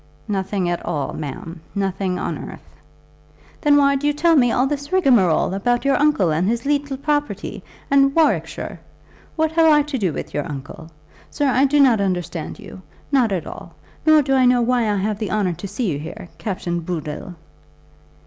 "Nothing at all, ma'am; nothing on earth." "Then why do you tell me all this rigmarole about your uncle and his leetle property, and Warwickshire? What have I to do with your uncle? Sir, I do not understand you, not at all. Nor do I know why I have the honour to see you here, Captain Bood dle."